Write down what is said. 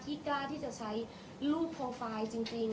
กล้าที่จะใช้รูปโปรไฟล์จริง